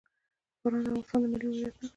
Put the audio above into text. باران د افغانستان د ملي هویت نښه ده.